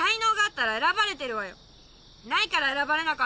ないから選ばれなかったの。